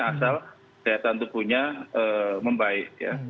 asal daya tahan tubuhnya membaik ya